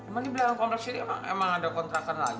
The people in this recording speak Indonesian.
emang di belakang komplek sini emang ada kontrakan lagi